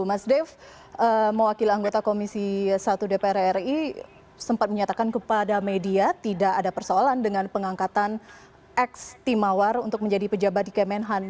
mas dev mewakil anggota komisi satu dpr ri sempat menyatakan kepada media tidak ada persoalan dengan pengangkatan ex timawar untuk menjadi pejabat di kemenhan